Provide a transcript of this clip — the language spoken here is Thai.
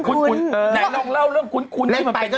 คุ้นไหนลองเล่าเรื่องคุ้นที่มันเป็นยังไง